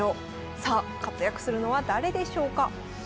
さあ活躍するのは誰でしょうか？